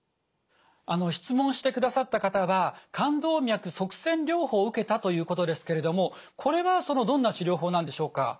質問してくださった方は肝動脈塞栓療法を受けたということですけれどもこれはどんな治療法なんでしょうか？